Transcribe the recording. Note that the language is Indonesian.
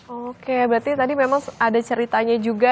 oke berarti tadi memang ada ceritanya juga